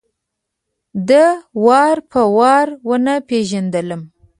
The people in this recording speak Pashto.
ده وار په وار ونه پېژندلم.